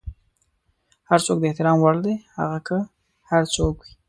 هر څوک د احترام وړ دی، هغه که هر څوک وي.